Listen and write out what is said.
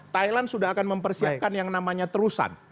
thailand sudah akan mempersiapkan yang namanya terusan